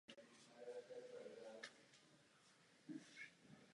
Závěrem vyzývám kolegy, aby toto vynikající usnesení podpořili.